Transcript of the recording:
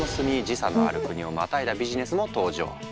時差のある国をまたいだビジネスも登場。